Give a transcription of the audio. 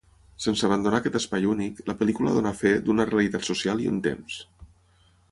Sense abandonar aquest espai únic, la pel·lícula dóna fe d'una realitat social i un temps.